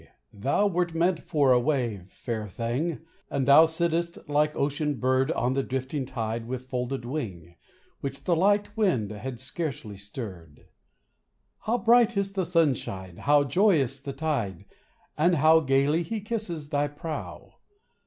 Thou wert meant for the wave, fair thing, And thou sittest like ocean bird On the drifting tide, with folded wing, Which the light wind had scarcely stirred. How bright is the sunshine, how joyous the tide, And how gaily he kisses thy prow